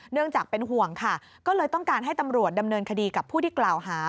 เนื่องจากเป็นห่วงค่ะก็เลยต้องการให้ตำรวจดำเนินคดีกับผู้ที่กล่าวหา